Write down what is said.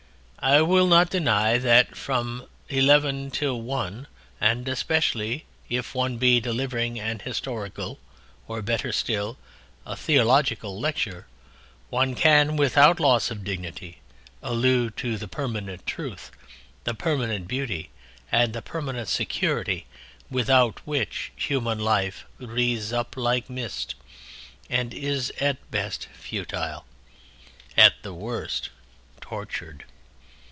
I will not deny that from eleven till one, and especially if one be delivering an historical, or, better still, a theological lecture, one can without loss of dignity allude to the permanent truth, the permanent beauty, and the permanent security without which human life wreathes up like mist and is at the best futile, at the worst tortured.